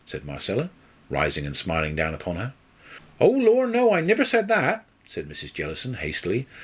said Marcella, rising and smiling down upon her. "Oh, lor', no; I niver said that," said Mrs. Jellison, hastily.